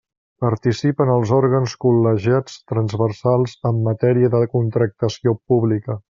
Participa en els òrgans col·legiats transversals en matèria de contractació pública.